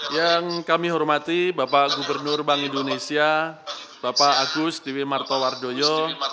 yang kami hormati bapak gubernur bank indonesia bapak agus dewi martowardoyo